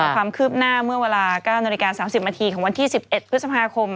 ความคืบหน้าเมื่อเวลา๙นาฬิกา๓๐นาทีของวันที่๑๑พฤษภาคม